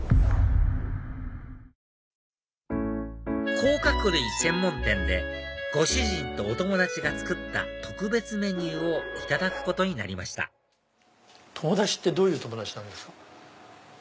甲殻類専門店でご主人とお友達が作った特別メニューをいただくことになりました友達ってどういう友達なんですか？